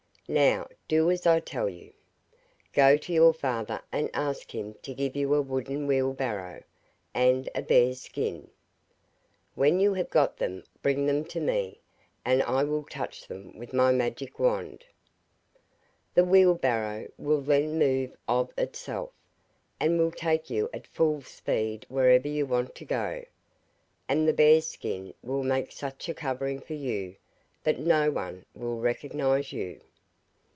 Now, do as I tell you. Go to your father and ask him to give you a wooden wheel barrow, and a bear's skin. When you have got them bring them to me, and I will touch them with my magic wand. The wheel barrow will then move of itself, and will take you at full speed wherever you want to go, and the bear's skin will make such a covering for you, that no one will recognise you.